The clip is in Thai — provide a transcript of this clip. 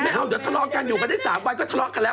เอาเดี๋ยวทะเลาะกันอยู่กันได้๓วันก็ทะเลาะกันแล้ว